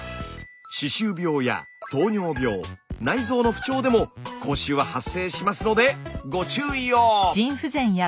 歯周病や糖尿病内臓の不調でも口臭は発生しますのでご注意を！